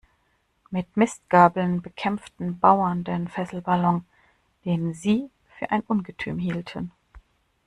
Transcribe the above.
Mit Mistgabeln bekämpften Bauern den Fesselballon, den Sie für ein Ungetüm hielten.